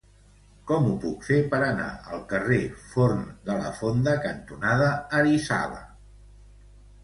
Com ho puc fer per anar al carrer Forn de la Fonda cantonada Arizala?